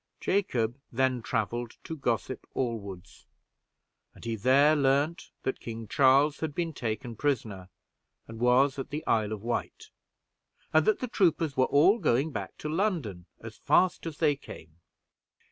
Jacob then traveled to Gossip Allwood's, and he there learned that King Charles had been taken prisoner, and was at the Isle of Wight, and that the troopers were all going back to London as fast as they came.